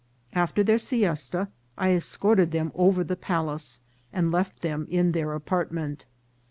After their siesta I escorted them over the palace, and left them in their apartment.